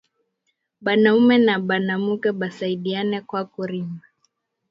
Banaume na banamuke basaidiane kwaku rima